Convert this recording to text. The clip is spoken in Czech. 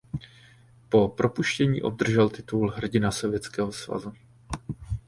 Po propuštění obdržel titul Hrdina Sovětského svazu.